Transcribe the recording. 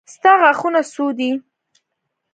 ستا غاښونه څو دي.